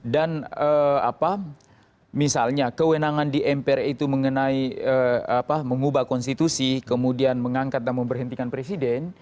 dan misalnya kewenangan di mpr itu mengubah konstitusi kemudian mengangkat dan memperhentikan presiden